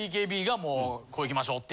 ＢＫＢがもうこれいきましょう！